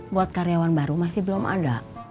buat karyawan baru masih belum ada